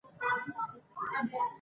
نازنين: پلاره، وه پلاره چېرته يې ؟